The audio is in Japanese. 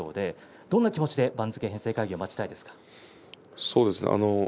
どんな気持ちで番付編成会議をそうですね。